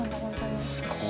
すごい！